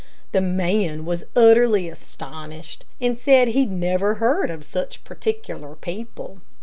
The man was utterly astonished, and said he'd never heard of such particular people.